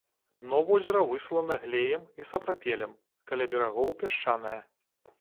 Дно возера выслана глеем і сапрапелем, каля берагоў пясчанае.